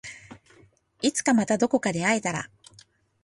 いつかまたどこかで会えたら